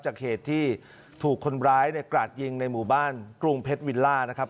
จากเหตุที่ถูกคนร้ายเนี่ยกราดยิงในหมู่บ้านกรุงเพชรวิลล่านะครับ